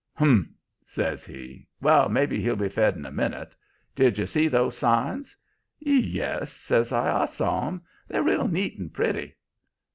"'Humph!' says he. 'Well, maybe he'll be fed in a minute. Did you see those signs?' "'Yes,' says I; 'I saw 'em. They're real neat and pretty.'